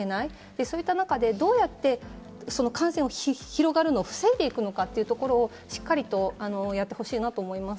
そういった中でどうやって感染が広がるのを防げるのか、しっかりやってほしいなと思います。